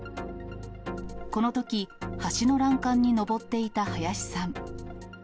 このとき、橋の欄干に上っていた林さん。